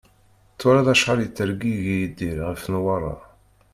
Twalaḍ acḥal i yettergigi Yidir ɣef Newwara?